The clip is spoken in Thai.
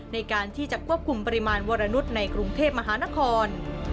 ในการที่จะควบคุมปริมาณวรนุษย์ในกรุงเทพมหานคร